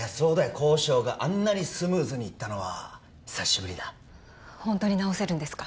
交渉があんなにスムーズにいったのは久しぶりだホントに治せるんですか？